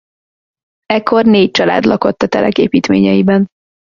Ekkor négy család lakott a telek építményeiben.